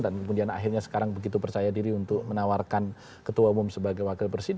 dan kemudian akhirnya sekarang begitu percaya diri untuk menawarkan ketua umum sebagai wakil politik